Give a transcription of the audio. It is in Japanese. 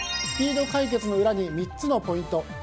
スピード解決の裏に３つのポイント。